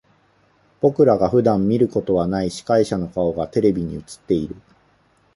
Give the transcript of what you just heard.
僕らが普段見ることはない司会者の顔がテレビに映っている。